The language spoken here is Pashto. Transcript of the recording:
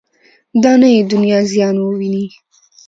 دا نه یې دنیا زیان وویني.